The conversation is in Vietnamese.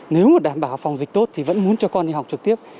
nếu mà đảm bảo phòng dịch tốt thì vẫn muốn cho con đi học trực tiếp